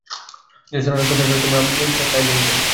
Jason অরল্যানকে চাচ্ছো তোমরা অই ভূমিকায়?